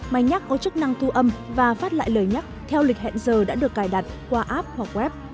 máy nhắc có chức năng thu âm và phát lại lời nhắc theo lịch hẹn giờ đã được cài đặt qua app hoặc web